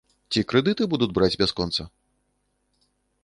Ці крэдыты будуць браць бясконца?